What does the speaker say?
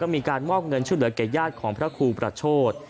ก็มีการมอบเงินชุดเหลือเกรกญาติของพระคูประโชท